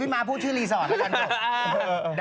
พี่มาพูดชื่อลีซอตหะ